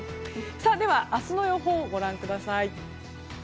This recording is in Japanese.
では、明日の予報をご覧ください。